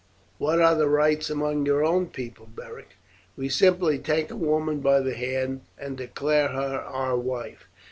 What are the rites among your own people, Beric?" "We simply take a woman by the hand and declare her our wife.